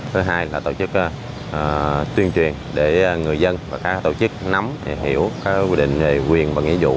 thứ hai là tổ chức tuyên truyền để người dân và các tổ chức nắm hiểu quy định về quyền và nghĩa dụ